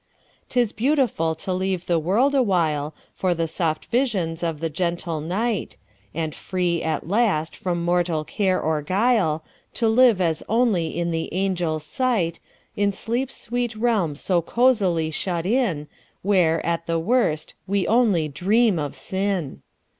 'T is beautiful to leave the world awhileFor the soft visions of the gentle night; And free, at last, from mortal care or guile, To live as only in the angels' sight, In sleep's sweet realm so cosily shut in, Where, at the worst, we only dream of sin!